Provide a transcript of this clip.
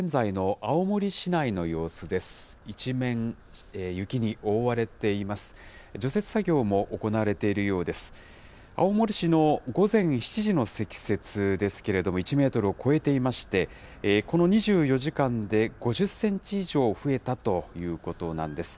青森市の午前７時の積雪ですけれども、１メートルを超えていまして、この２４時間で５０センチ以上増えたということなんです。